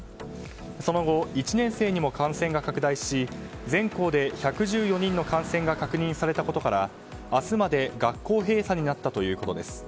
その後、１年生にも感染が拡大し全校で１１４人の感染が確認されたことから明日まで学校閉鎖になったということです。